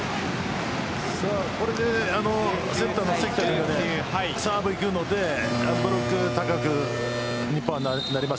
これでセッターの関がサーブに行くのでブロックが高くなります。